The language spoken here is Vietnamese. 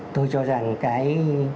tôi cho rằng cái